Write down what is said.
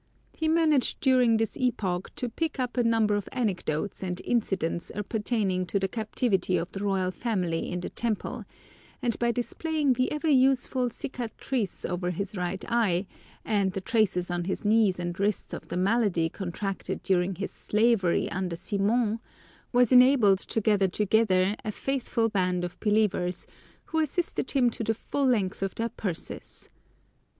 He managed during this epoch to pick up a number of anecdotes and incidents appertaining to the captivity of the royal family in the Temple, and by displaying the ever useful cicatrice over his right eye, and the traces on his knees and wrists of the malady contracted during his slavery under Simon, was enabled to gather together a faithful band of believers, who assisted him to the full length of their purses.